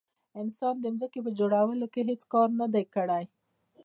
انسان د ځمکې په جوړولو کې هیڅ کار نه دی کړی.